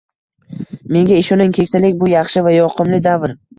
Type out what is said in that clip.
Menga ishoning, keksalik bu yaxshi va yoqimli davr.